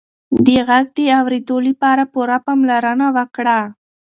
د غږ د اورېدو لپاره پوره پاملرنه وکړه.